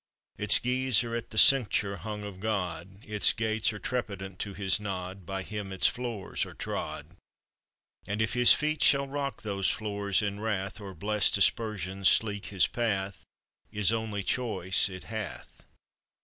Its keys are at the cincture hung of God; Its gates are trepidant to His nod; By Him its floors are trod. And if His feet shall rock those floors in wrath, Or blest aspersion sleek His path, Is only choice it hath.